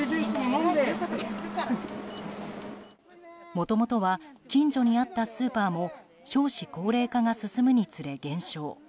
もともとは近所にあったスーパーも少子高齢化が進むにつれ減少。